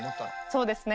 そうですね。